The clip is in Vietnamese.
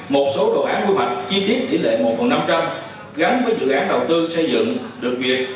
một số đồ án quy hoạch chi tiết tỷ lệ một phần năm trăm linh gắn với dự án đầu tư xây dựng được việc